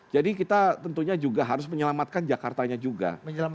jadi kita tentunya juga harus menyelamatkan jakartanya juga